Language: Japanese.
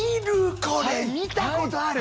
これ見たことある。